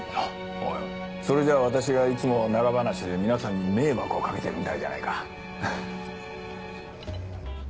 おいそれじゃあ私がいつも長話で皆さんに迷惑を掛けてるみたいじゃないか。